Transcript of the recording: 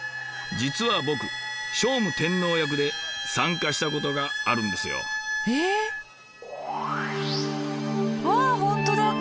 実は僕聖武天皇役で参加したことがあるんですよ。え？わあ本当だ！